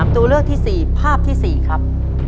ตัวเลือกที่๔ภาพที่๔ครับ